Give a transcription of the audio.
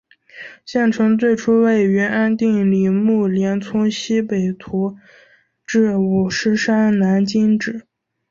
县城最初位于安定里木连村溪北徙治五狮山南今址。